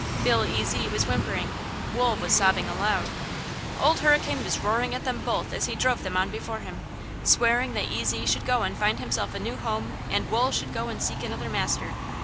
Bill Ezy was whimpering; Wool was sobbing aloud; Old Hurricane was roaring at them both as he drove them on before him, swearing that Ezy should go and find himself a new home and Wool should go and seek another master.